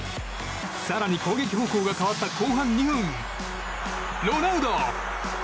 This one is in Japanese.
更に攻撃方向が変わった後半２分、ロナウド！